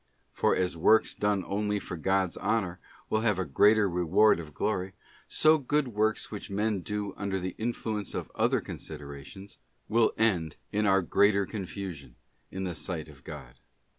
For as works done only for God's honour will have a greater reward of glory, so good works which men do under the influence of other considerations, will end in our greater confusion in the sight of God.